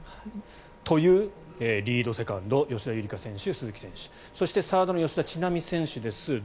というリード、セカンド吉田夕梨花選手、鈴木選手そしてサードの吉田知那美選手です